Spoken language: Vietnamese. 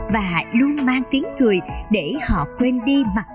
và luôn mang tiếng cười để họ quên đi mặc cảm bản thân